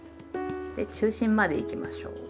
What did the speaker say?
で中心までいきましょう。